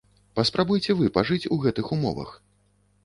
Паспрабуйце вы пажыць у гэтых умовах.